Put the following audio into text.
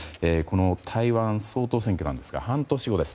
台湾総統選挙なんですが半年後です。